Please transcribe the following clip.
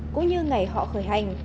cũng như ngày họ khởi hành